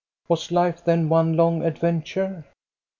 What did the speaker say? " Was life then one long adventure?